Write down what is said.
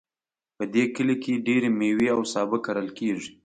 په دې کلي کې ډیری میوې او سابه کرل کیږي